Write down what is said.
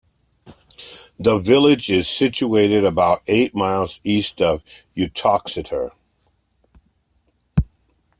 The village is situated about eight miles east of Uttoxeter.